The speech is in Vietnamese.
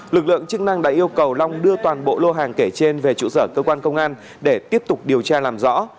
lực lượng chức năng đã yêu cầu long đưa toàn bộ lô hàng kể trên về trụ sở cơ quan công an để tiếp tục điều tra làm rõ